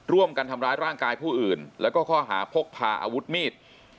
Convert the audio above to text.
ร่วมกันทำร้ายร่างกายผู้อื่นแล้วก็ข้อหาพกพาอาวุธมีด